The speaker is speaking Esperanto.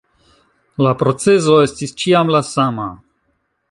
La procezo estis ĉiam la sama..